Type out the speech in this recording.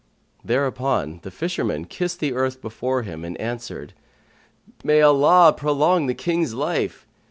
Thereupon the fisherman kissed the earth before him and answered, "May Allah prolong the King's life!